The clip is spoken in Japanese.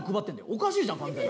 おかしいじゃん完全に。